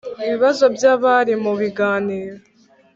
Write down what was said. Ibibazo by abari mu biganiro